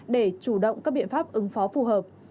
để chủ động các biện pháp ứng phó phù hợp